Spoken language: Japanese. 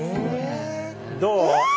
どう？